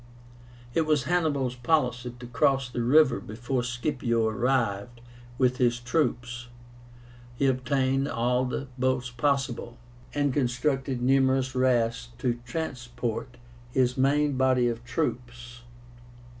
It was Hannibal's policy to cross the river before Scipio arrived with his troops. He obtained all the boats possible, and constructed numerous rafts to transport his main body of troops.